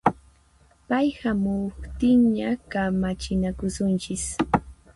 Pay hamuqtinña kamachinakusunchis